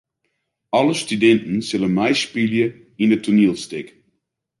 Alle studinten sille meispylje yn it toanielstik.